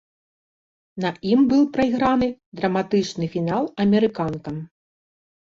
На ім быў прайграны драматычны фінал амерыканкам.